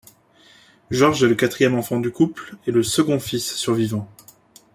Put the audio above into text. Georges est le quatrième enfant du couple et le second fils survivant.